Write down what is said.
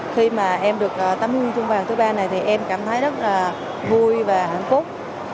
khi mà em được tấm huy chương vàng thứ ba này thì em cảm thấy rất là vui và hạnh phúc